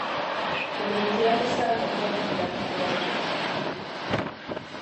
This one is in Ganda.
Buli muntu yandisaanye okwenyigira mu kubaga amateeka